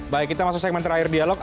baik kita masuk segmen terakhir dialog